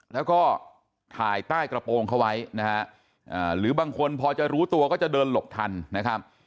แล้วก็ถ่ายใต้กระโปรงเขาไว้นะฮะหรือบางคนพอจะรู้ตัวก็จะเดินหลบทันนะครับ